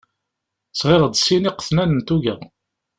Sɣiɣ-d sin iqetnan n tuga.